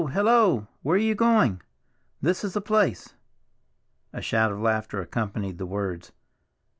Hello! Where are you going? This is the place." A shout of laughter accompanied the words.